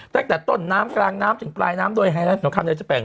แต่แต่ต้นน้ำกลางน้ำถึงปลายน้ำโดยฮัยและสมคัมในเจ้าแปลง